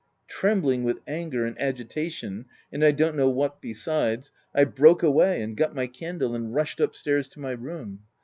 Trembling with anger and agitation — and I don't know what besides, I broke away, and got my candle and rushed up stairs to my room.